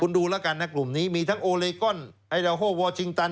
คุณดูแล้วกันนะกลุ่มนี้มีทั้งโอเลคอนส์ไอเดอะโฮล์ณ์วอร์จิงตัน